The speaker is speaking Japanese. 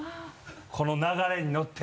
この流れに乗って。